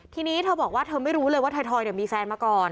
ทีนี้เธอบอกว่าเธอไม่รู้เลยว่าถอยมีแฟนมาก่อน